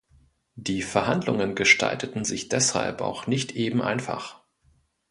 Die Verhandlungen gestalteten sich deshalb auch nicht eben einfach.